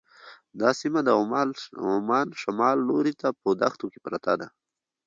دا سیمه د عمان شمال لوري ته په دښتو کې پرته ده.